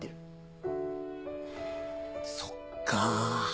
そっか。